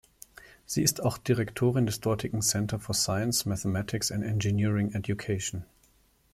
Sie ist auch Direktorin des dortigen Center for Science, Mathematics and Engineering Education.